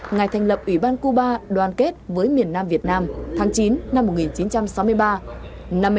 ngày thành lập ủy ban cuba đoàn kết với miền nam việt nam tháng chín năm một nghìn chín trăm sáu mươi ba